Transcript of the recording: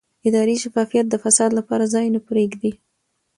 اداري شفافیت د فساد لپاره ځای نه پرېږدي